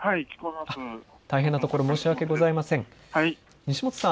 大変なところ申し訳ございません。